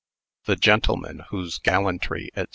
The gentleman whose "gallantry, &c.